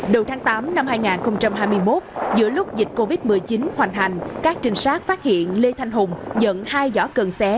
đầu tháng tám năm hai nghìn hai mươi một giữa lúc dịch covid một mươi chín hoành hành các trinh sát phát hiện lê thanh hùng nhận hai giỏ cần xé